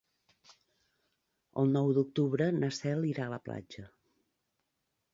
El nou d'octubre na Cel irà a la platja.